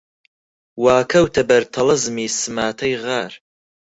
وا کەوتە بەر تەڵەزمی سماتەی غار